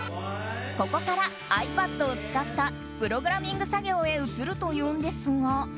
ここから、ｉＰａｄを使ったプログラミング作業へ移るというんですが。